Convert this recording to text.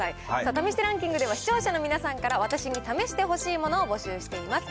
試してランキングでは、視聴者の皆さんから私に試してほしいものを募集しています。